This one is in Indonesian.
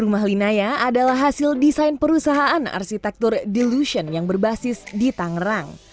rumah linaya adalah hasil desain perusahaan arsitektur delusion yang berbasis di tangerang